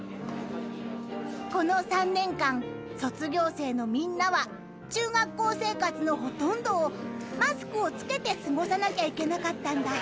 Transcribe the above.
［この３年間卒業生のみんなは中学校生活のほとんどをマスクをつけて過ごさなきゃいけなかったんだ］